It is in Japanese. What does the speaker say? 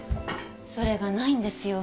それがないんですよ